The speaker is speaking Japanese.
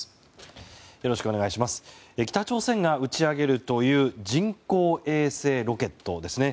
北朝鮮が打ち上げるという人工衛星ロケット。